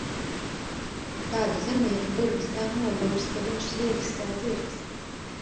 Kādu zemnieku burvis tā nobūris, ka viņš zviedzis kā zirgs.